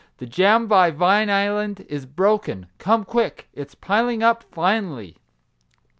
The jam by Vine Island is broken. Come quick. It's piling up finely